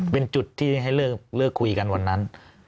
เป็นจุดที่ให้เลิกคุยกันวันนั้น